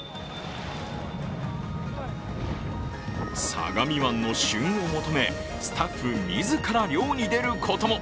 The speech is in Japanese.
相模湾の旬を求め、スタッフ自ら漁に出ることも。